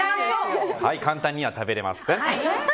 簡単には食べれません。